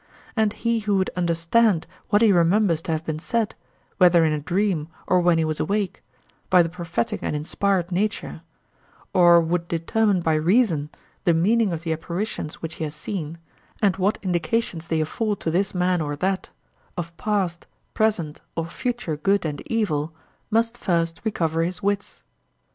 And he who would understand what he remembers to have been said, whether in a dream or when he was awake, by the prophetic and inspired nature, or would determine by reason the meaning of the apparitions which he has seen, and what indications they afford to this man or that, of past, present or future good and evil, must first recover his wits.